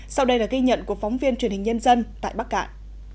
sau đây là ghi nhận của phóng viên truyền hình nhân dân tại bắc cạn